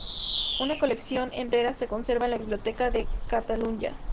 Una colección entera se conserva en la Biblioteca de Catalunya.